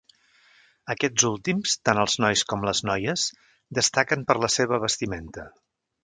Aquests últims, tant els nois com les noies, destaquen per la seva vestimenta.